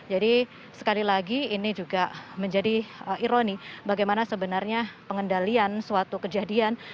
jadi sekali lagi ini juga menjadi ironi bagaimana sebenarnya pengendalian suatu kejadian